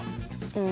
うん。